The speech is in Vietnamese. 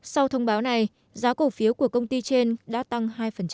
sau thông báo này giá cổ phiếu của công ty trên đã tăng hai